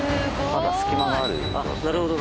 まだ隙間がある状態。